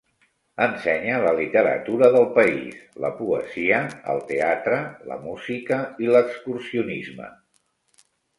Ensenye la literatura del país, la poesia, el teatre, la música i l'excursionisme.